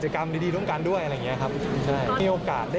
จริงเจอครบแล้วนะครับ